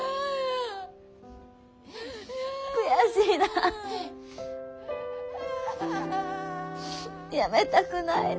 悔しいなあやめたくないなあ。